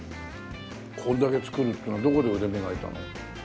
これだけ作るっていうのはどこで腕磨いたの？